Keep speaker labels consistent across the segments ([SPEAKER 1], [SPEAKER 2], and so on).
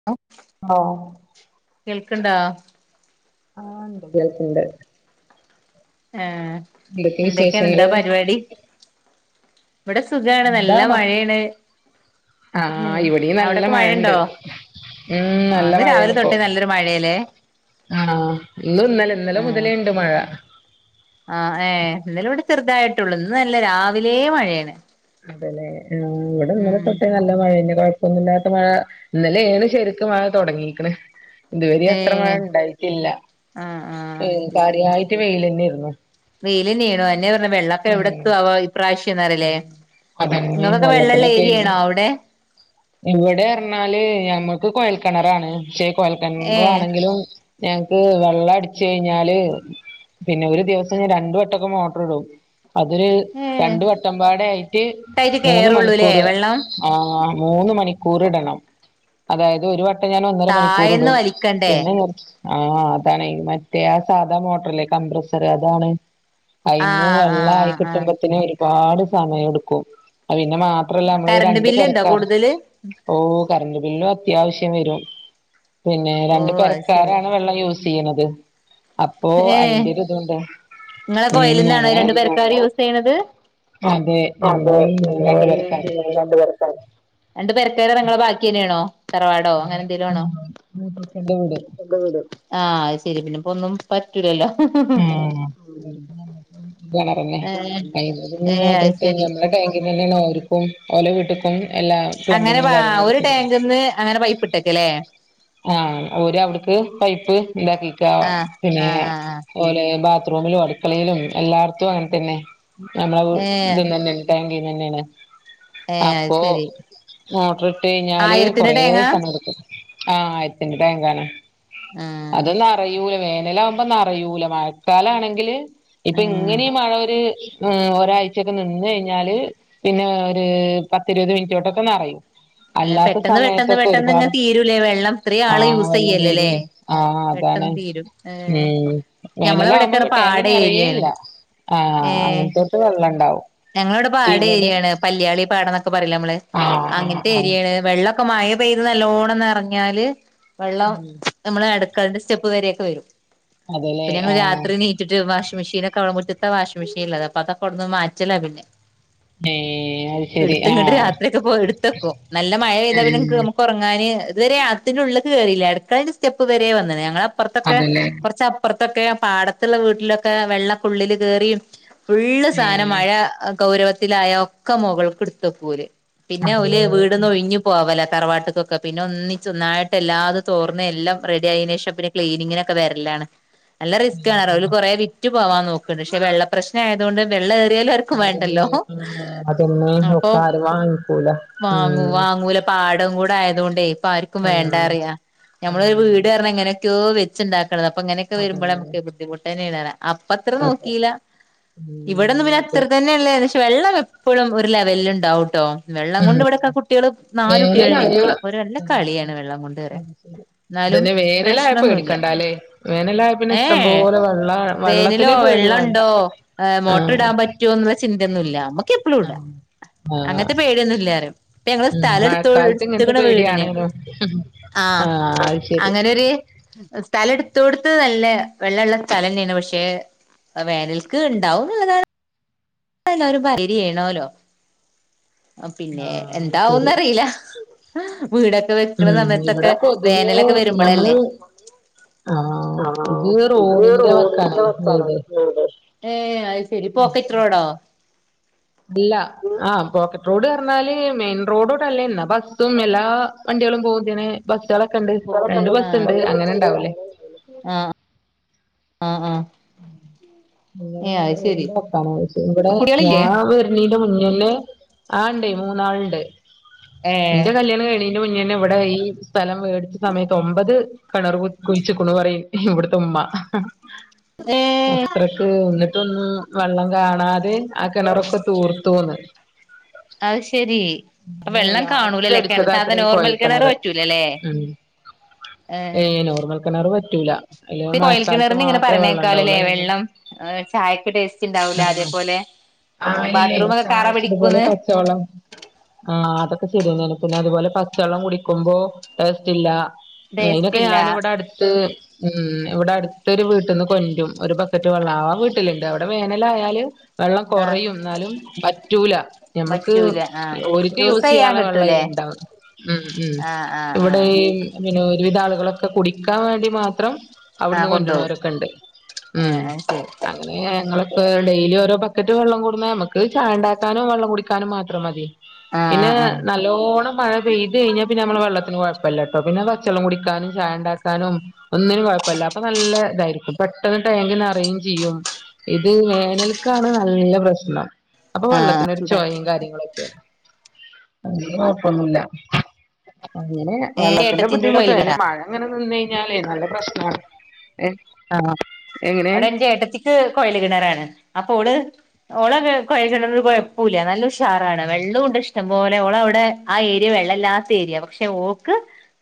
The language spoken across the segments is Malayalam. [SPEAKER 1] [inaudible]
[SPEAKER 2] ഹലോ
[SPEAKER 1] കേൾക്ക്ണ്ടോ
[SPEAKER 2] ആഹ് ഇണ്ട് കേൾക്ക്ണ്ട്
[SPEAKER 1] ആഹ്
[SPEAKER 2] എന്തൊക്കെ
[SPEAKER 1] എന്തക്കെ എന്താ
[SPEAKER 2] വിശേഷങ്ങള്
[SPEAKER 1] പരിപാടി ഇവിടെ സുഖാണ്
[SPEAKER 2] എന്താ
[SPEAKER 1] നല്ല
[SPEAKER 2] മ
[SPEAKER 1] മഴേണ് ഉം
[SPEAKER 2] ആഹ് ഇവിടെയും നല്ല
[SPEAKER 1] അവിടൊക്കെ
[SPEAKER 2] മഴണ്ട്
[SPEAKER 1] മഴയുണ്ടോ
[SPEAKER 2] ഉം
[SPEAKER 1] ആഹ്
[SPEAKER 2] നല്ല
[SPEAKER 1] ഇന്ന് രാവിലെ തൊട്ടേ നല്ലൊരു മഴേല്ലേ
[SPEAKER 2] ആണോ ഇന്ന് ഇന്നലെ ഇന്നലെ മുതലേണ്ട് മഴ
[SPEAKER 1] ആഹ് ഏഹ് ഇന്നലെ ഇവിടെ ചെറുതായിട്ടുള്ളൂ ഇന്ന് നല്ല രാവിലെ മഴേണ്
[SPEAKER 2] അതല്ലെ ഇവടെ ഇന്നലെ തൊട്ടേ ന ല്ല മഴെന്നെ കൊഴപ്പൊന്നുല്ലാത്ത മഴ ഇന്നലെയെണ് ശെരിക്ക് മഴ തൊടങ്ങീക്കണ് ഇതുവരെ അത്ര മഴ
[SPEAKER 1] ഏഹ്
[SPEAKER 2] ഇണ്ടായിട്ടില്ല
[SPEAKER 1] ആഹ് ആഹ്
[SPEAKER 2] ഉം കാര്യായിട്ട് വെയിലന്നെയാരുന്നു
[SPEAKER 1] വെയിലെന്നെണു അതന്നെ പറഞ്ഞ വെള്ളൊക്കെ എവടക്കെ ആവോ പ്രാശ്യംന്നറില്ലേ
[SPEAKER 2] അതന്നെ
[SPEAKER 1] നിങ്ങക്കൊക്കെ വെള്ളള്ള ഏരിയാണോ അവടെ
[SPEAKER 2] ഇവടെ പർഞ്ഞാല് ഞമ്മക്ക് കോയൽക്കെണറാണ് പക്ഷേ കോയൽ കെണറ്
[SPEAKER 1] ഏഹ്
[SPEAKER 2] ആണെങ്കിലും ഞങ്ങക്ക് വെള്ളം അടിച്ച് കഴിഞ്ഞാല് പിന്നെ ഒരു ദിവസം ഞാൻ രണ്ടു വട്ടൊക്കെ മോട്ടർ ഇടും അതൊരു
[SPEAKER 1] ഏഹ്
[SPEAKER 2] രണ്ടു വട്ടമ്പാടെ ആയിട്ട്
[SPEAKER 1] ട്ടായിട്ട്
[SPEAKER 2] മൂന്ന്
[SPEAKER 1] കേറുള്ളൂല്ലേ
[SPEAKER 2] മണിക്കൂറ്
[SPEAKER 1] വെള്ളം
[SPEAKER 2] ആഹ് മൂന്ന് മണിക്കൂർ ഇടണം അതായത് ഒരുവ ട്ടം ഞാൻ ഒന്നര മണിക്കൂർ
[SPEAKER 1] താഴേന്ന്
[SPEAKER 2] ഇടും
[SPEAKER 1] വലിക്കണ്ടേ
[SPEAKER 2] പിന്നെ കൊ ആഹ് അതാണേ മറ്റേ ആ സാധാ മോട്ടറില്ലേ കംമ്പ്രസറ് അതാണ് അതിന്
[SPEAKER 1] ആഹ്
[SPEAKER 2] വെള്ള
[SPEAKER 1] ആഹ്
[SPEAKER 2] ആയി
[SPEAKER 1] ആഹ്
[SPEAKER 2] കിട്ടുമ്പത്തേന് ഒരുപാട് സമയം എടുക്കും അത് പിന്നെ മാ ത്രല്ല
[SPEAKER 1] ആഹ്
[SPEAKER 2] നമ്മള്
[SPEAKER 1] കറണ്ട്
[SPEAKER 2] രണ്ട്
[SPEAKER 1] ബില്ല് ഇണ്ടോ
[SPEAKER 2] പെരക്കാണ്
[SPEAKER 1] കൂടുതല്
[SPEAKER 2] ഓഹ് കറണ്ട് ബില്ലും അത്യാവശ്യം വരും പിന്നെ
[SPEAKER 1] ഓ
[SPEAKER 2] രണ്ട്
[SPEAKER 1] അത് ശരി
[SPEAKER 2] പെരക്കാരാണ് വെള്ളം യൂസ് ചെയ്യണത് അപ്പോ
[SPEAKER 1] ഏഹ്
[SPEAKER 2] അയിന്റെ ഒരു ഇതുണ്ട്
[SPEAKER 1] നിങ്ങള
[SPEAKER 2] ഉം
[SPEAKER 1] കോയലിന്നാണോ
[SPEAKER 2] അങ്ങനെ
[SPEAKER 1] രണ്ടു പെരക്കാര് യൂസ് ചെയ്യണത്
[SPEAKER 2] അതെ ഞമ്മള്
[SPEAKER 1] അതെ
[SPEAKER 2] പോലെ രണ്ട് പെരക്കാര്
[SPEAKER 1] [unintelligible] രണ്ട് പെരക്കാര് രണ്ട് പെരക്കാര് നിങ്ങളെ ബാക്കിന്നെയാണോ തറവാടോ അങ്ങനെ
[SPEAKER 2] അതെ
[SPEAKER 1] എന്തെലും ആണോ
[SPEAKER 2] ഉം മൂത്തച്ഛന്റെ വീട്
[SPEAKER 1] ആഹ് അത് ശെരി പിന്നെ ഇപ്പ ഒന്നും പറ്റൂലല്ലോ
[SPEAKER 2] [inaudible] [unintelligible]
[SPEAKER 1] ഏഹ് ഏഹ് അത് ശരി
[SPEAKER 2] ഇതിന്നെന്നേണ് ഓര്ക്കും ഓലെ വീട്ട്ക്കും എല്ലാ
[SPEAKER 1] അങ്ങനെ
[SPEAKER 2] പ്ലംബിങ്ങും
[SPEAKER 1] വാ
[SPEAKER 2] കാര്യങ്ങളൊക്കെ
[SPEAKER 1] ഒരു
[SPEAKER 2] ചെയ്തത്
[SPEAKER 1] ടാങ്ക്ന്ന് അങ്ങനെ പൈപ്പ് ഇട്ടേക്കലേ
[SPEAKER 2] ആഹ് ഓരവ്ട്ക്ക് പൈപ്പ് ന്താക്കിക്കാ
[SPEAKER 1] ആഹ്
[SPEAKER 2] പിന്നേ
[SPEAKER 1] ആഹ് ആഹ് ആഹ്
[SPEAKER 2] ഓലെ ബാത്റൂമിലും അട്ക്കളേലും എല്ലാട്ത്തും അങ്ങനെ തന്നെ നമ്മളെ വ്
[SPEAKER 1] ഏഹ്
[SPEAKER 2] ഇത് ന്നെന്നേണ് ടാങ്കീന്നെന്നേണ്
[SPEAKER 1] ഏഹ് അത്
[SPEAKER 2] അപ്പോ
[SPEAKER 1] ശരി
[SPEAKER 2] മോട്ട്റിട്ട് കയിഞ്ഞാല്
[SPEAKER 1] ആയിരത്തിന്റെ
[SPEAKER 2] കൊറേ
[SPEAKER 1] ടാങ്ങാ
[SPEAKER 2] സമയെട്ക്കും ആഹ് ആയിര്ത്തിന്റെ ടാങ്കാണ് അതും
[SPEAKER 1] ആഹ്
[SPEAKER 2] നെറയൂല വേനലാ മ്പാ നറയൂല മഴക്കാലാണെങ്കില് ഇപ്പോ ഇങ്ങനേ ഈ മഴ ഒര് മമ്മ് ഒരാഴ്ച്ചെക്കെ നിന്ന് കയിഞ്ഞാല് പിന്നെ ഒര് പത്തിരുപത് മിനിറ്റോണ്ടൊക്കെ നറയും അല്ലാത്ത
[SPEAKER 1] പെട്ടെന്ന് പെട്ടെന്ന്
[SPEAKER 2] സമയത്തൊക്കെ
[SPEAKER 1] പെട്ടെന്ന് ഇങ്ങ
[SPEAKER 2] ഒരുപാട്
[SPEAKER 1] തീരൂലേ വെള്ളം ഇത്രേയാള്
[SPEAKER 2] ആഹ്
[SPEAKER 1] യൂസ്
[SPEAKER 2] വെള്ളം
[SPEAKER 1] ചെയ്യല്ലേലേ
[SPEAKER 2] തീരുവേ ആഹ് അതാണ്
[SPEAKER 1] പെട്ടെന്ന് തീരും ഏഹ്
[SPEAKER 2] ഉം
[SPEAKER 1] ഞമ്മളെവ്ടെക്കെ റ്ഞ്ഞ
[SPEAKER 2] വേനലാവുമ്പോ ടാങ്ക്
[SPEAKER 1] പാടേരിയേണ്
[SPEAKER 2] നിറയേയില്ല ആഹ്
[SPEAKER 1] ഏഹ്
[SPEAKER 2] അങ്ങനത്തോടത്ത് വെള്ളം ഉണ്ടാവും
[SPEAKER 1] ഞങ്ങളോടെ
[SPEAKER 2] ഇവിടെ
[SPEAKER 1] പാടേരിയേണ് പല്യാളി പാടന്നൊക്കെ പറയുല്ലേ അമ്മള്
[SPEAKER 2] ആഹ്
[SPEAKER 1] അങ്ങ
[SPEAKER 2] ആഹ് ആഹ്
[SPEAKER 1] വെള്ളൊക്കെ മയ പെയ്ത് നല്ലോണം നറഞ്ഞാല് വെള്ളം
[SPEAKER 2] ഉം
[SPEAKER 1] നമ്മളെ അട്ക്കളന്റെ സ്റ്റെപ്പ് വരെക്കെ വരും
[SPEAKER 2] അതല്ലേ
[SPEAKER 1] പിന്നെ ഞങ്ങള്
[SPEAKER 2] ആഹ്
[SPEAKER 1] രാത്രി ണീ ച്ച്ട്ട് വാഷിങ് മിഷീനൊക്കവ്ടെ മുറ്റത്താ വാഷിംങ്മിഷീന്ള്ളത് അതൊക്കെ വട്ന്ന് മാറ്റല പിന്നെ
[SPEAKER 2] ഏഹ് അത് ശരി
[SPEAKER 1] എട്ത്ത്ങ്ങട്ട്
[SPEAKER 2] ആഹ്
[SPEAKER 1] രാത്രിയൊക്കെപ്പൊ എട്ത്തക്കും നല്ല മഴ പെയ്താ
[SPEAKER 2] ഉം
[SPEAKER 1] പിന്നെൻക്ക്‌ ഒറങ്ങാന് ഇത് വരെ ആത്തിനുള്ള്ക്ക് കേറീല്ല അട്ക്കളേന്റെ സ്റ്റെപ്പ് വരെ വന്ന്ണ് ഞങ്ങള അപ്പർത്തക്കെ
[SPEAKER 2] അതല്ലേ
[SPEAKER 1] കൊറച്ചപ്പർത്തൊക്കെ പാടത്ത്ള്ള വീട്ടിലൊക്കെ വെള്ളം ഉള്ളില് കേറീം ഫുള്ള് സാധനം
[SPEAKER 2] ഉം
[SPEAKER 1] മഴ ഗൗരവത്തിലായ ഒക്കെ മൊകൾക്ക് എട്ത്ത് വെക്കും ഓല് പിന്നെ ഓല്
[SPEAKER 2] അതല്ലേ ഉം
[SPEAKER 1] വീട്ന്നൊഴി ഴിഞ്ഞ് പോവലാ തറവാട്ട്ക്കൊക്കെ പിന്നെ ഒന്നിച്ച് ഒന്നായിട്ടെല്ലാതും തോർന്ന് എല്ലാം റെഡി ആയീന് ശേഷം പിന്നെ ക്ലീനിങ്ങിനൊക്കെ വെരലാണ് നല്ല റിസ്ക്കാണ് അവര് കൊറേ വിറ്റ് പോവാൻ നോക്ക്ണ്ട് പക്ഷെ വെള്ള പ്രശ് നായതോണ്ട് വെള്ളം ഏറിയാലും ആർക്കും
[SPEAKER 2] ആരും
[SPEAKER 1] വേണ്ടല്ലോ
[SPEAKER 2] ആഹ് അതൊന്നും
[SPEAKER 1] അപ്പോ
[SPEAKER 2] ഒക്കെ ആരും വാങ്ങിക്കൂല ഉം
[SPEAKER 1] വാങ്ങുവാ ങ്ങൂല പാടോം കൂടെ ആയതോണ്ടേ ഇപ്പൊ ആർക്കും
[SPEAKER 2] ഉം
[SPEAKER 1] വേണ്ടാറയാ ഞമ്മൾ ഒര്
[SPEAKER 2] ഉം
[SPEAKER 1] വീട് പറഞ്ഞ എങ്ങനൊക്കെയോ വെ വെച്ച്ണ്ടാക്കണതാ അപ്പങ്ങനെക്കെ
[SPEAKER 2] അതെ
[SPEAKER 1] വെരുമ്പോ അമ്മക്ക് ബുദ്ധിമുട്ടെന്നേണ് പറയ അ പ്പത്ര
[SPEAKER 2] അതെ
[SPEAKER 1] നോക്കീല
[SPEAKER 2] ഉം
[SPEAKER 1] ഇവടെന്ന് പിന്നെ
[SPEAKER 2] അതെ
[SPEAKER 1] അത്ര തെന്നെ ലേകദേശം വെള്ളം എപ്പൊഴും ഒരു ലെവലിൽ ണ്ടാവൂട്ടോ വെള്ളം കൊണ്ട്
[SPEAKER 2] ഉം
[SPEAKER 1] ഇവിടക്ക കു കുട്ട്യേള് നാല് കുട്ട്യേൾണ്ട്
[SPEAKER 2] വേനലായ
[SPEAKER 1] ൻക്ക് അപ്പൊ ഓര് നല്ല കളിയാണ് വെള്ളം കൊണ്ട് വരെ
[SPEAKER 2] പിന്നെ വേനലായ പേടിക്കണ്ടാ ലേ വേനലായ പിന്നെ ഇഷ്ടം പോലെ വെള്ളാ
[SPEAKER 1] വേനലോ വെള്ളണ്ടോ ഏഹ് മോട്ടർ
[SPEAKER 2] ആഹ്
[SPEAKER 1] ഇടാൻ പറ്റ് റ്റോന്ന്ള്ളെ ചിന്തയൊന്നുല്ല അമ്മക്ക് എപ്പളും ഇട
[SPEAKER 2] ആഹ് ആഹ്
[SPEAKER 1] അങ്ങൻത്തെ പേടിയൊന്നുല്ലാറം പ്പൊ ഞങ്ങള്
[SPEAKER 2] ഉം
[SPEAKER 1] സ്ഥലം എട്ത്തുൾ
[SPEAKER 2] മഴക്കാലത്ത് ഇങ്ങനത്തെ
[SPEAKER 1] ട്ത്ത്ക്ക്ണ് വീടിന്
[SPEAKER 2] പേടിയാണേനും
[SPEAKER 1] ആഹ്
[SPEAKER 2] അത് ശരി
[SPEAKER 1] അങ്ങനൊര് സ്ഥലം എട്ത്തോട്ത്ത് നല്ല വെള്ളള്ള സ്ഥലന്നേണ് പക്ഷേ വേനൽക്ക് ണ്ടാവുന്ന്ള്ളതാണ് ഇപ്പോ എല്ലാരും പറയലില്ലെനോലോ പിന്നെ
[SPEAKER 2] ആഹ് അത് ശരി
[SPEAKER 1] എന്താവൂന്നറീല വീടൊക്കെ വെക്കണ
[SPEAKER 2] ഉം ഇവിടെ
[SPEAKER 1] സമയത്തൊക്കെ
[SPEAKER 2] പൊതുവേ
[SPEAKER 1] വേനലൊക്കെ വരുമ്പളല്ലേ
[SPEAKER 2] നമ്മള്
[SPEAKER 1] ആഹ് ഇത് റോഡിന്റെ വക്കാണ് വീട് ഏഹ് അത്ശെരി പോക്കറ്റ് റോഡോ
[SPEAKER 2] അല്ല ആഹ് പോക്കറ്റ് റോഡ് പറഞ്ഞാല് മെയിൻ റോഡൂടല്ല എന്നാ ബസ്സും എല്ലാ വണ്ട്യളും പോകുന്നേണ് ബസ്സാളൊക്കെ ണ്ട്
[SPEAKER 1] പോണെ
[SPEAKER 2] രണ്ട്
[SPEAKER 1] ആഹ്
[SPEAKER 2] ബസ്സ്ണ്ട് അങ്ങനെ ണ്ടാവൂല്ലേ
[SPEAKER 1] ആഹ് ആഹ് ആഹ്
[SPEAKER 2] ഇങ്ങനെ
[SPEAKER 1] ഏഹ് അത് ശരി
[SPEAKER 2] റോഡിന്റെ വക്കാണോ ചോയ്ച്ചേ ഇവിടെ
[SPEAKER 1] കുട്ടികളില്ലേ
[SPEAKER 2] രാവി ണീന്റെ മുന്നിലെ ആഹ് ണ്ട് മൂന്നാള്ണ്ട്
[SPEAKER 1] ഏഹ്
[SPEAKER 2] ന്റെ കല്യാണം കഴി ന്റെ മുന്നെന്നെ വടെ ഈ സ്ഥലം വേടിച്ച സമയത്ത് ഒമ്പത് കെണർ കു കുയിച്ച്ക്ക്ണു പറയും ഇവിട്ത്തെ ഉമ്മ
[SPEAKER 1] ഏഹ്
[SPEAKER 2] അത്രക്ക് ഒന്നിട്ടൊന്നും വെള്ളം കാണാതെ ആ കിണറൊക്കെ തൂർത്തുന്ന്
[SPEAKER 1] അയ്ശരി അപ്പൊ വെള്ളം
[SPEAKER 2] ലാസ്റ്റ്
[SPEAKER 1] കാണൂലല്ലേ കിണ
[SPEAKER 2] അടിച്ചതാത്ര
[SPEAKER 1] സാധാ
[SPEAKER 2] ഈ കോയൽ
[SPEAKER 1] നോർമൽ കിണറ് വറ്റൂലല്ലേ
[SPEAKER 2] ഉം
[SPEAKER 1] ഏഹ്
[SPEAKER 2] കെണറ് വറ്റൂലാ അല്ലേൽ മഴക്കാലത്ത് മാത്രവെള്ള
[SPEAKER 1] ലേ വെള്ളം ചായക്ക് ടേസ്റ്റ്ണ്ടാവൂല
[SPEAKER 2] ആഹ്
[SPEAKER 1] അതേപോലെ
[SPEAKER 2] ആഹ് ഇല്ലേ
[SPEAKER 1] ബാത്റൂമൊക്കെ കറ
[SPEAKER 2] ചായക്ക്‌ ഇതുപോലെ
[SPEAKER 1] പിടിക്കൂന്ന്
[SPEAKER 2] പച്ചവെളളം ആഹ് അതൊക്കെ ശെരിനേനു പിന്നെ അതുപോലെ പച്ചള്ളം കുടിക്കുമ്പോ ടേസ്റ്റ് ഇല്ല
[SPEAKER 1] ടേസ്റ്റ്
[SPEAKER 2] അയിനൊക്കെ
[SPEAKER 1] ഇല്ല
[SPEAKER 2] ഞാനവിടെ അടുത്ത് ഉം ഇവിടെ അടുത്തൊരു വീട്ടിൽന്ന് കൊൻ്റും ഒരു ബക്കറ്റ് വെള്ള ആ വീട്ടില്ണ്ട് അവിടെ വേനലായല് വെള്ളം
[SPEAKER 1] ആഹ്
[SPEAKER 2] കൊറയും എന്നാലും വറ്റൂല ഞമ്മക്ക്
[SPEAKER 1] പറ്റൂല ആഹ്
[SPEAKER 2] ഓരിക്ക്‌
[SPEAKER 1] യൂസ് ചെയ്യാൻ
[SPEAKER 2] യൂസയ്യനുള്ള
[SPEAKER 1] കിട്ടൂലേ
[SPEAKER 2] വെള്ളയില് ഇണ്ടാവും ഉം ഉം
[SPEAKER 1] ആഹ് ആഹ്
[SPEAKER 2] ഇവിടേ
[SPEAKER 1] ആഹ്
[SPEAKER 2] പിന്നെരുവിധാളുകളൊക്കെ കുടിക്കാൻ വാണ്ടി മാത്രം
[SPEAKER 1] ആഹ്
[SPEAKER 2] അവിടുന്ന്
[SPEAKER 1] കൊണ്ടോവും
[SPEAKER 2] കൊൻ്റുരണാരൊക്കെണ്ട് ഉം
[SPEAKER 1] ആഹ് അത് ശരി
[SPEAKER 2] അങ്ങനെ ഞങ്ങളൊക്ക ഡെയിലി ഓരോ ബ ക്കറ്റ് വെള്ളകൊടുന്നാ മ്മക്ക് ചായണ്ടാക്കാനും വെള്ളം കുടിക്കാനും മാത്രം മതി
[SPEAKER 1] ആഹ്
[SPEAKER 2] പിന്നെ
[SPEAKER 1] ആഹ് ആഹ്
[SPEAKER 2] നല്ലോണം മഴ പെയ്തയിഞ്ഞാൽ പിന്നെ നമ്മള വെള്ളത്തിന് കൊയപ്പില്ലട്ടോ പിന്നെ പച്ചളളം കുടിക്കാനും ചായണ്ടാക്കാനും ഒന്നിനു കൊഴപ്പല്ല അപ്പൊ നല്ല ഇതായിരിക്കും പെട്ടെന്ന് ടാങ്ക് നെറേഞ്ചയ്യും ഇത് വേനൽക്കാണ് നല്ല പ്രശ്നം അപ്പൊ
[SPEAKER 1] ആഹ്
[SPEAKER 2] വെള്ളത്തിന ഒരു
[SPEAKER 1] ചൂടാക്കി
[SPEAKER 2] ചൊയും കാര്യങ്ങളൊക്കെയാ കൊഴപ്പൊന്നുല്ല അങ്ങനെ
[SPEAKER 1] ഏഹ്
[SPEAKER 2] വെള്ളത്തിന്റെ
[SPEAKER 1] ഏട്ടത്തിന്റെ കൂടെ
[SPEAKER 2] ബുദ്ധിമുട്ട്
[SPEAKER 1] ഓയില്
[SPEAKER 2] അയന്നെ
[SPEAKER 1] കടാ
[SPEAKER 2] മഴ ഇങ്ങനെ നിന്നയ്ഞ്ഞാലേ നല്ല പ്രശ്നമാണ് ഏഹ്
[SPEAKER 1] ആഹ് അഹ അവിടന്റെ ഏട്ടത്തി കൊയല് കിണറാണ് അപ്പൊ ഓള് ഓള കെയല് കിണറെകെയപ്പുല പോല നല്ല ഷാറാണ്
[SPEAKER 2] ആഹ്
[SPEAKER 1] വെള്ളുണ്ട് ഇഷ്ടം പോലെ ഓളവിടെ ആഹ ഏരിയ വെള്ളല്ലാത്ത ഏരിയാ പക്ഷെ ഓക്ക്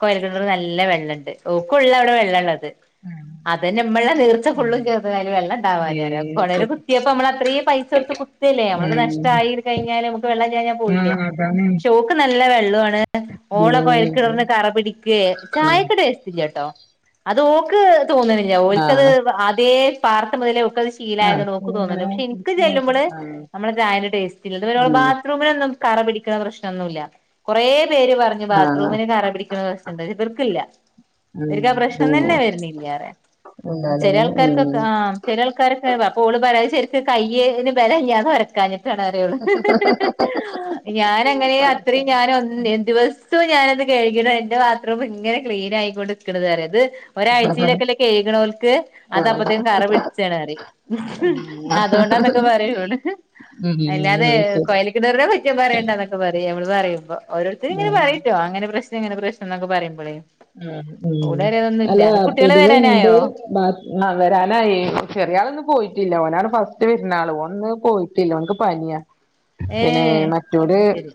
[SPEAKER 1] കോയൽക്കണറ് നല്ല വെള്ളണ്ട് ഓക്കുള്ള അവിടെ വെള്ളള്ളത്
[SPEAKER 2] ആഹ്
[SPEAKER 1] അതന്നെ നമ്മളെ നീർച്ച ഫുള്ളും
[SPEAKER 2] ആഹ്
[SPEAKER 1] ചെയ്തയില് വെള്ളണ്ടാവാനാ
[SPEAKER 2] ഏഹ് ശരി
[SPEAKER 1] കൊഴല്കുത്തിയപ്പോ നമ്മള അത്രേയും പൈസടുത്ത് കുത്ത ല്ലേ നമുക്ക്
[SPEAKER 2] ഉം
[SPEAKER 1] നഷ്ടായി കയഞ്ഞാല് നമുക്ക് വെള്ള ല്ലാഞ്ഞാപോയില്ലേ
[SPEAKER 2] ആഹ് അതാണ്
[SPEAKER 1] ഷോക്ക് നല്ല വെള്ളവുണ് ഓള
[SPEAKER 2] ഉം
[SPEAKER 1] കൊയൽക്കിണർന്ന് കറ പിടിക്ക
[SPEAKER 2] ഉം
[SPEAKER 1] ചായക്ക് ടെസ്റ്റില്ലാട്ടോ അത് ഓക്ക് തോന്നനില്ല ഓൽക്കത്
[SPEAKER 2] ആഹ്
[SPEAKER 1] ആദ്യ പാർത്ത മുതലേ ഓക്കത് ശീ
[SPEAKER 2] ആഹ്
[SPEAKER 1] ശീലായന്ന് ഓക്ക് തോന്നില്ല
[SPEAKER 2] ഇങ്ങനെ
[SPEAKER 1] പക്ഷെ ഇൻക്ക്
[SPEAKER 2] പിടിച്ച് നോക്കും
[SPEAKER 1] ചെല്ലുമ്പോള്
[SPEAKER 2] ആഹ്
[SPEAKER 1] നമ്മള ചായന്റെ ടേസ്റ്റില്ല
[SPEAKER 2] ഉം
[SPEAKER 1] [unintelligible] റൂമിനൊന്നു കറ പിടിക്കണ പ്രശനൊന്നുല്ല കെറേ പേര് പറഞ്ഞ്
[SPEAKER 2] ആഹ്
[SPEAKER 1] ബാത്റൂമിന് കറ പിടിക്കുന്ന പ്രശ്നിണ്ട് ഇവർക്കില്ല
[SPEAKER 2] ഉം
[SPEAKER 1] ഇവരിക്ക് ആഹ പ്രശ്നം തന്നെ
[SPEAKER 2] ഉം
[SPEAKER 1] വെരുന്നില്ല ങ്ങനെ
[SPEAKER 2] എന്താലേ ഉം
[SPEAKER 1] ചെലയൾക്കാർക്കക്കെ ആഹ് ചെലൾക്കാരൊക്കെ പ്പോള് പറെ ശരിക്കക്ക് കയ്യന് ബലല്ലഞ്ഞാന്ന് വരക്കാഞ്ഞ പറയുള്ളു ഞാനങ്ങനെ അത്രയും ഞാനൊന്ന [unintelligible] ദിവ ദിസം ഞാനത് കഴിക്കണം എന്റെ ബാത്റൂം ഇങ്ങനെ ക്ലീനായിക്കൊണ്ട് ഇക്കണേറാ ഇത് ഒരാഴ്ച ശീലൊക്കക്കെ കെയ്കണോൽക്ക് അത്
[SPEAKER 2] ആഹ് ഉം
[SPEAKER 1] അപ്പത്തേക്കും കറ പിടിച്ചാണ്റിയും
[SPEAKER 2] അത്
[SPEAKER 1] അതൊണ്ടന്നൊക്കെ പറയു ഓള് അല്ലാതെ
[SPEAKER 2] ശരി
[SPEAKER 1] കൊയല് കിണറിനെ കുറ്റം പറയണ്ടന്നൊക്കെ പറയു നമ്മള് പറുമ്പോ
[SPEAKER 2] ഉം
[SPEAKER 1] ഓരോരുത്തങ്ങനെ
[SPEAKER 2] ഉം
[SPEAKER 1] പറയട്ടോ അങ്ങനെ പ്രശനം ങ്ങന പ്രശ്നം എന്നക്കെ പറയുമ്പോഴ്
[SPEAKER 2] ആഹ് ഉം അല്ല
[SPEAKER 1] കുട്ടികള്
[SPEAKER 2] പൊതുവെ ഇണ്ട്
[SPEAKER 1] വരാനായോ
[SPEAKER 2] വരാനായി ചെറിയ ആളൊന്നും പോയിറ്റില്ല ഓനാണ് ഫസ്റ്റ് വിരുന്നാള് ഓന് പോയി റ്റില്ല ഓൻക്ക് പനിയാ
[SPEAKER 1] ഏ
[SPEAKER 2] പിന്നെ മറ്റോര്
[SPEAKER 1] അത് ശരി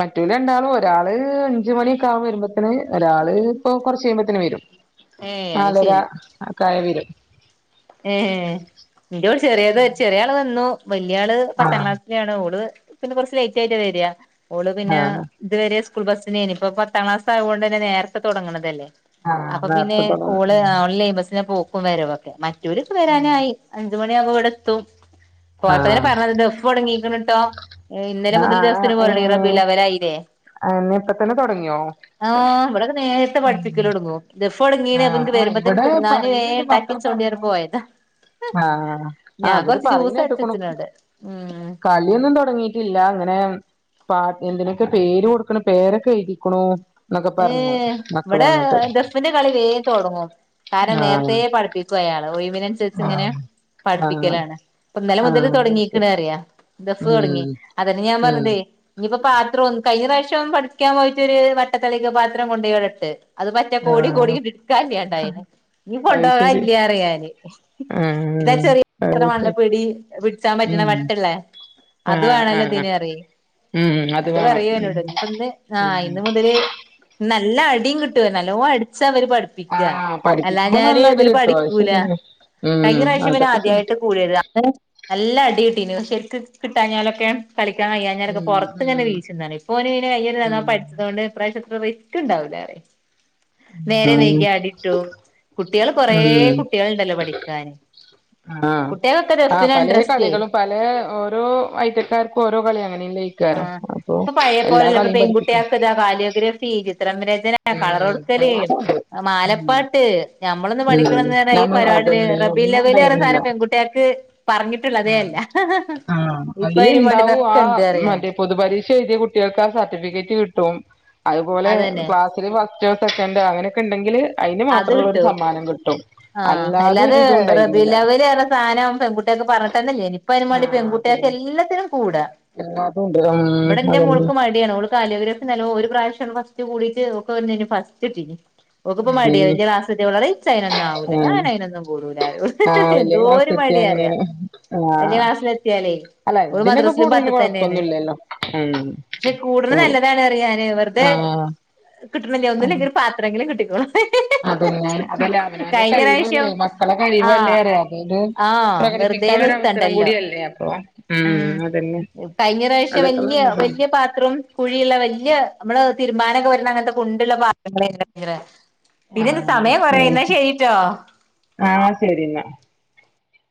[SPEAKER 2] മറ്റോല് രണ്ടാളും ഒരാള് അഞ്ച് മണിയൊക്കെ ആവു വരുമ്പോത്തന് ഒര ഇപ്പൊ കൊറച്ച് കഴിയുമ്പോത്തന് വരും
[SPEAKER 1] ഏ അത്
[SPEAKER 2] നാലരകായ വെരും
[SPEAKER 1] ഏഹ് എന്ന് ഇന്റെവിടെ ചെറിയത് ചെറിയാള് വന്നു വല്യയാള് പത്താം
[SPEAKER 2] ആഹ്
[SPEAKER 1] ക്ലാസ്സിലാണ് ഓള് പിന്നെ കൊറച്ച് ലേയിറ്റായിട്ടാ വെരിയ ഓള് പിന്നാ
[SPEAKER 2] ആഹ്
[SPEAKER 1] ഇതുവരെ സ്കൂൾ ബസ്സിനേനു ഇപ്പൊ പത്താക്ലാസായുണ്ടന്നെ നേരത്തെ തൊടങ്ങണതല്ലേ
[SPEAKER 2] ആഹ്
[SPEAKER 1] അപ്പൊ പിന്നെ
[SPEAKER 2] നേരത്തെ
[SPEAKER 1] ഓള്
[SPEAKER 2] തൊടങ്ങും
[SPEAKER 1] ആഹ് ലെയിൻബസ്സിനാ പോക്ക് ക്കു വരവൊക്കെ മറ്റോര് വെരാനായി അഞ്ചു മണിയാവമ്പോ ഇവിടെത്തും പോയപ്പതന്നെ
[SPEAKER 2] ആഹ്
[SPEAKER 1] പറഞ്ഞത് ദഫ് തുടങ്ങീിക്കണ കേട്ടോ ഇന്നലെ
[SPEAKER 2] ആഹ്
[SPEAKER 1] മുതൽദഫിൻ പോവാൻ തൊടങ്ങീക്ക്ണ് റബിഉൽ അവ്വൽ അയീലെ അവലായില്ലേ
[SPEAKER 2] പ്പ തന്നെ തുടങ്ങിയോ
[SPEAKER 1] ആഹ് ഇവിടെക്കെ നേരത്തെ പഠിപ്പിക്കലോടുങ്ങും ദഫ് തൊടങ്ങീണ്, അപ്പൊ
[SPEAKER 2] ആഹ്
[SPEAKER 1] ഇൻക്ക്
[SPEAKER 2] ആഹ്
[SPEAKER 1] വരുമ്പോ തന്നെ
[SPEAKER 2] ഇവിടെ
[SPEAKER 1] തിന്നാനും വേ ഉണ്ടാക്കി ചോണ്ടിറഞ് പോയതാ
[SPEAKER 2] ആഹ
[SPEAKER 1] ഞാൻ
[SPEAKER 2] അവര്
[SPEAKER 1] കൊറച്ച് ജ്യൂസ്
[SPEAKER 2] പറയുന്ന
[SPEAKER 1] അടിച്ച്
[SPEAKER 2] കേട്ട്ണക്ക്ണു
[SPEAKER 1] വെച്ച്ണ് അവടെ ഉം
[SPEAKER 2] കളിയൊന്നും തുടങ്ങി ല്ല അങ്ങനെ പ എന്തിനൊക്കെ പേര് കൊടുക്കണ പേരൊക്കെ എഴുരിക്കണു
[SPEAKER 1] ഏഹ ഇവിടെ ദഫിന്റെ കളി വേ തുടങ്ങും കാരണം
[SPEAKER 2] ആഹ്
[SPEAKER 1] നേരത്തെപഠിപ്പിക്കു അയാള് ഒയിവിന് അനുസരിച്ച് ഇങ്ങനെ
[SPEAKER 2] ആഹ് ആഹ്
[SPEAKER 1] പഠിപ്പിക്കലാണ് ഇപ്പൊ ഇന്നലെ മുതൽ
[SPEAKER 2] ആഹ്
[SPEAKER 1] തുടങ്ങീക്കണ
[SPEAKER 2] ശരി
[SPEAKER 1] അറിയാ ദഫ് തുടങ്ങി
[SPEAKER 2] ഉം
[SPEAKER 1] അതന്നെ ഞാൻ
[SPEAKER 2] ഉം
[SPEAKER 1] പറഞ്ഞതേ ഇനിയിപ്പോ പാത്രം ഒ കഴിഞ്ഞ പ്രാവശ്യം പഠിക്കാൻ പോയിട്ട് ഒരു വട്ടത്തളിക്ക് പാത്രം കൊണ്ടവിടട്ട് അത് പ റ്റേ കോടി കോടി
[SPEAKER 2] ആഹ്
[SPEAKER 1] ഇടുക്കല്ലണ്ടയി, ഇഞ്ഞി
[SPEAKER 2] അത് ശരി
[SPEAKER 1] കൊണ്ടകല്ല്യ റിയാന് ഇതാ
[SPEAKER 2] ആഹ്
[SPEAKER 1] ചെറിയ
[SPEAKER 2] അത്
[SPEAKER 1] പാത്ര
[SPEAKER 2] ശരി
[SPEAKER 1] പിടി പിടിച്ചാൻ പറ്റണ
[SPEAKER 2] ഉം
[SPEAKER 1] വട്ട്ള്ളെ അത്
[SPEAKER 2] ആഹ്
[SPEAKER 1] വാണല്ലോ
[SPEAKER 2] ആഹ്
[SPEAKER 1] ദിന് റിയ
[SPEAKER 2] ഉം
[SPEAKER 1] അത്
[SPEAKER 2] വേണം ഉം
[SPEAKER 1] പറയന്നോട് ഇപ്പ ഇന്ന് ആഹ്
[SPEAKER 2] ഉം
[SPEAKER 1] ഇന്ന് മുതല് നല്ല അടിയും കിട്ടു നല്ലോ അടിച്ച അവര് പഠ ടിപ്പിക്ക
[SPEAKER 2] ആഹ്
[SPEAKER 1] അല്ലാ
[SPEAKER 2] പഠിപ്പിക്കുമ്പോ
[SPEAKER 1] ഞാല്
[SPEAKER 2] നല്ല അടി
[SPEAKER 1] ഇവല്
[SPEAKER 2] കിട്ടും അത്
[SPEAKER 1] പഠിക്കൂല
[SPEAKER 2] ശരിയാ
[SPEAKER 1] കഴിഞ്ഞ
[SPEAKER 2] ഉം
[SPEAKER 1] പ്രാവശ്യം വന്
[SPEAKER 2] അതൊക്കെ ശരി
[SPEAKER 1] ആദ്യായിട്ട് കൂടിയത് നല്ല അടി കട്ടീന്ശരിക്ക് കിട്ടാഞ്ഞാലൊക്കെ കളിക്കാ കയ്യഞ്ഞലൊക്കെ പുറത്ത് ഇങ്ങന
[SPEAKER 2] ഉം
[SPEAKER 1] വീശുന്നതാണ് ഇപ്പോ ഓന് കന്യ്ഞ്ഞ
[SPEAKER 2] ഉം
[SPEAKER 1] കുറി
[SPEAKER 2] ഉം
[SPEAKER 1] പഠിച്ചത് കൊണ്ട് ഇപ്രവശ്യം അത്ര റിസ് ക്ണ്ടാവൂലറ നേരെ
[SPEAKER 2] ആഹ്
[SPEAKER 1] വൈകി അടിട്ടും കുട്ടികൾ കൊറെ
[SPEAKER 2] ഉം
[SPEAKER 1] കുട്ടികൾണ്ടല്ലോ പഠിക്കാന്
[SPEAKER 2] ആഹ്
[SPEAKER 1] കുട്ടികൊക്കെ
[SPEAKER 2] ആഹ്
[SPEAKER 1] ദഫിന
[SPEAKER 2] പലേ
[SPEAKER 1] ഇൻഡ്രസ്റ്റ്
[SPEAKER 2] കളികളും പലേ ഓരോ ഐറ്റക്കാർക്കും ഓരോ കളി അങ്ങനെല്ല
[SPEAKER 1] ആഹ് ഇപ്പൊ പഴയ പോലല്ല ഇപ്പ
[SPEAKER 2] പഠിപ്പിക്കണം
[SPEAKER 1] പെൺകുട്ടിയക്ക ഇതാ കാലിയോഗ്രാഫി ചിത്രംവര
[SPEAKER 2] ഉം
[SPEAKER 1] കളടുക്കല്
[SPEAKER 2] എല്ലാതും ഉണ്ട് ഉം
[SPEAKER 1] മാലപ്പാട്ട് നമ്മളൊന്ന്
[SPEAKER 2] ഉം
[SPEAKER 1] പഠിക്കണെന്ന് ഈ
[SPEAKER 2] ഞമ്മ
[SPEAKER 1] പരിപാടിലെർന്നു
[SPEAKER 2] അതന്നെ
[SPEAKER 1] റബീൽ
[SPEAKER 2] ഒന്നും
[SPEAKER 1] അവ്വല് ന്ന റഞ്ഞ
[SPEAKER 2] ഉണ്ടായിരുന്നില്ല
[SPEAKER 1] സാധനം പെൺകുട്ടിയർക്ക് പറഞ്ഞിട്ടുള്ളതേ അല്ല
[SPEAKER 2] ആഹ്
[SPEAKER 1] ഇപ്പൊ
[SPEAKER 2] അതില
[SPEAKER 1] അയിനും വേണ്ടി
[SPEAKER 2] ഉണ്ടാവും ആ
[SPEAKER 1] ഇതൊക്കെ ഇണ്ട് പറയും
[SPEAKER 2] മദ്
[SPEAKER 1] ഞാന്
[SPEAKER 2] പൊതുപരീക്ഷ എഴുതിയ കുട്ടികൾക്ക് ആ സർട്ടിഫിക്കറ്റ് കിട്ടും അതുപോലെ
[SPEAKER 1] അതന്നെ
[SPEAKER 2] പത്തില് ഫസ്‌റ്റോ സെക്കന്റോ അങ്ങനൊക്കെണ്ടെങ്കിൽ
[SPEAKER 1] അത് കിട്ടു ആഹ
[SPEAKER 2] ഒരു
[SPEAKER 1] അല്ലാതെ
[SPEAKER 2] ഇതും ഉണ്ടായിരുന്നില്ല
[SPEAKER 1] റബിലവല് നറഞ്ഞ സാധനം പെൺകുട്ടി കുട്ടക്കെ പറഞ്ഞിട്ടന്നല്ലേയ്നി ഇപ്പ യ്നിം മാണ്ടി പെൺകുട്ടിക്കല്ലാത്തിനും കൂടാ
[SPEAKER 2] എല്ലതുംണ്ട് ഉം അതന്നെ
[SPEAKER 1] കാലിയോഗ്രഫി നല്ലൊ ഒരു പ്രാവശ്യ ഫസ്റ്റ് കൂടിയിട്ട് ഓക്ക് ഒന്നില് ഫസ്റ്റ്കിട്ടീക്ക് നമുക്കിപ്പ മടിയ
[SPEAKER 2] ഉം
[SPEAKER 1] വലിയ ക്ലാസ്സി ത്തെ വളരെ ഇച്ച അതിനൊന്ന ആവൂല
[SPEAKER 2] ഉം
[SPEAKER 1] ഞാന അതിനൊന്നും കൂടൂലന്നാറിം
[SPEAKER 2] ആ വലിയ ക്ലാസ്
[SPEAKER 1] എന്തോരു
[SPEAKER 2] എത്തിയ
[SPEAKER 1] മടിയ അറി
[SPEAKER 2] അങ്ങനെയാണ് ആ
[SPEAKER 1] വലിയക്ലാസ്സില എത്തിയാലേ
[SPEAKER 2] അല്ല
[SPEAKER 1] ഓള്
[SPEAKER 2] ഇതിനൊക്കെ
[SPEAKER 1] മദ്രാസിലും
[SPEAKER 2] കൂടതിന്
[SPEAKER 1] പത്തിതന്നെയാണ്
[SPEAKER 2] കൊഴപ്പൊന്നുമില്ലല്ലോ ഉം
[SPEAKER 1] പക്ഷെ കൂടുണത് നല്ലതാണ് അറിയാന് ഇർ
[SPEAKER 2] ആഹ്
[SPEAKER 1] കിട്ടണല്ലഒന്നുല്ലെങ്കി ഒരു പത്രെങ്കിലും കിട്ടിക്കോളും
[SPEAKER 2] അതന്നെ അതല്ലേ അവനാന്റെ
[SPEAKER 1] കഴിഞ്ഞ പ്രാവശ്യം
[SPEAKER 2] കഴിവല്ലേ മക്കളെ കഴിവല്ലേ
[SPEAKER 1] ആഹ്
[SPEAKER 2] അതരു
[SPEAKER 1] ആഹ് വെറുതെ
[SPEAKER 2] പ്രകടിപ്പിക്കുള്ളൊരവസരം
[SPEAKER 1] നിർത്തണ്ടല്ലോ
[SPEAKER 2] കൂടിയല്ലേ അപ്പൊ ഉം അതന്നെ
[SPEAKER 1] കഴിഞ്ഞ പ്രാവശ്യ
[SPEAKER 2] അതൊക്കെ
[SPEAKER 1] വലിയ
[SPEAKER 2] നല്ലതാണ്
[SPEAKER 1] വലിയ പാത്രം കുഴിയുള്ള വല്യ നമ്മള് തീരുമ്പാനൊ ക്കെ പറ്റ്ണഅങ്ങനത്തെ കുണ്ടുള്ള പാത്രങ്ള് കിട്ടിയെകണ് പിന്നെ ഇത് സമയം
[SPEAKER 2] ആഹ്
[SPEAKER 1] കുറയിന്നാ ശരിട്ടോ
[SPEAKER 2] ആഹ് ശരി എന്നാ